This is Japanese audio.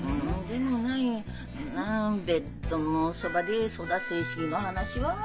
でもないベッドのそばでそだ正式な話は。